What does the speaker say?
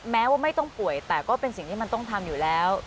แม้ว่าไม่ต้องป่วยแต่ก็เป็นสิ่งที่มันต้องทำอยู่แล้ว